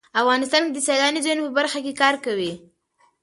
افغانستان د سیلاني ځایونو په برخه کې کار کوي.